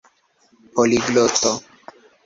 poligloto